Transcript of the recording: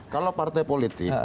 kalau partai politik